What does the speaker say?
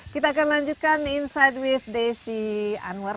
kita akan lanjutkan insight with desi anwar